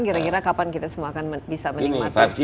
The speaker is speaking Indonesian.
kira kira kapan kita semua akan bisa menikmati